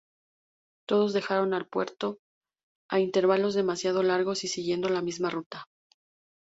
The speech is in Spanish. Todos dejaron el puerto a intervalos demasiado largos y siguiendo la misma ruta.